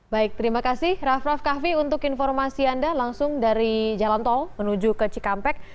baik terima kasih raff raff kahvi untuk informasi anda langsung dari jalan tol menuju ke cikampek